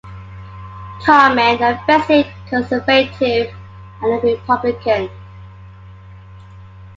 Carmen - a 'feisty' conservative and a Republican.